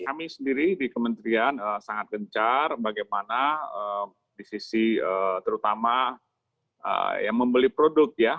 kami sendiri di kementerian sangat gencar bagaimana di sisi terutama ya membeli produk ya